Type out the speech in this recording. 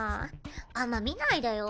あんま見ないでよ。